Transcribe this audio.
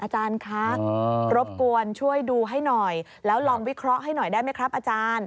อาจารย์คะรบกวนช่วยดูให้หน่อยแล้วลองวิเคราะห์ให้หน่อยได้ไหมครับอาจารย์